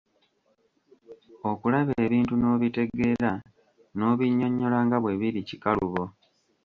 Okulaba ebintu n'obitegeera n'obinnyonnyola nga bwe biri, kikalubo.